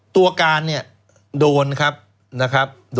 ตัวการเนี่ยโดนครับนะครับ